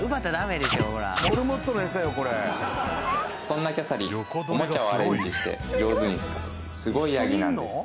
そんなキャサリンおもちゃをアレンジして上手に使うすごいヤギなんです